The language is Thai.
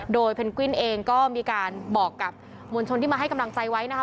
โดยเพนกวินเองก็มีการบอกกับมวลชนที่มาให้กำลังใจไว้นะคะ